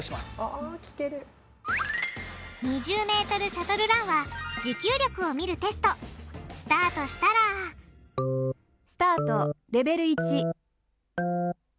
２０ｍシャトルランはスタートしたら「スタートレベル１」。